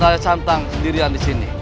rara santang sendirian disini